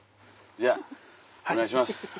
じゃお願いします。